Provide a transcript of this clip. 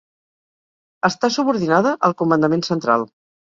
Està subordinada al Comandament Central.